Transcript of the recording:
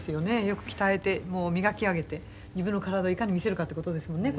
よく鍛えてもう磨き上げて自分の体をいかに見せるかって事ですもんね